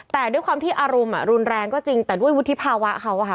แต่ด้วยความที่อารมณ์รุนแรงก็จริงแต่ด้วยวุฒิภาวะเขาอะค่ะ